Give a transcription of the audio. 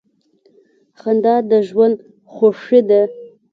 • خندا د ژوند خوښي ده.